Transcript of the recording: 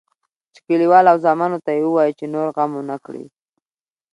چې کلیوال او زامنو ته یې ووایي چې نور غم ونه کړي.